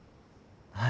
はい。